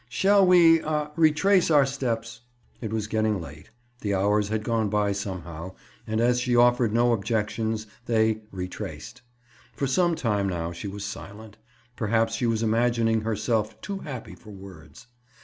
"Shall we—ah!—retrace our steps?" It was getting late. The hours had gone by somehow and as she offered no objections, they "retraced." For some time now she was silent. Perhaps she was imagining herself too happy for words.